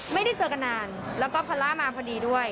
ไม่ได้เจอกันนานแล้วก็พอลล่ามาพอดีด้วย